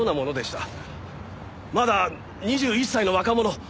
まだ２１歳の若者。